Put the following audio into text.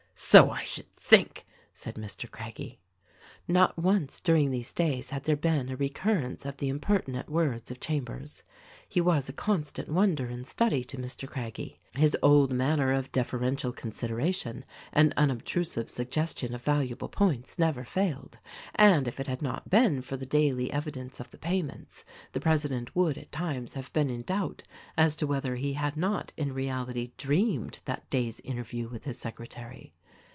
"So I should think !" said Mr. Craggie. Not once during these days had there been a recurrence ,;R THE RECORDING ANGEL of the impertinent words of Chambers. He was a con stant wonder and study to Mr. Craggie. His old manner of deferential consideration and Unobtrusive suggestion of valuable points never failed ; and if it had not been for the daily evidence of the payments, the president would at times have been in doubt as to whether he had not in reality dreamed that day's interview with his secretary.